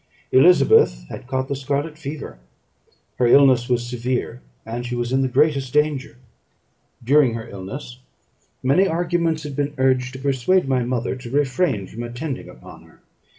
Elizabeth had caught the scarlet fever; her illness was severe, and she was in the greatest danger. During her illness, many arguments had been urged to persuade my mother to refrain from attending upon her.